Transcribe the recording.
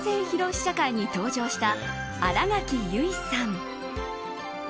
試写会に登場した新垣結衣さん。